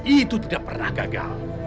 itu tidak pernah gagal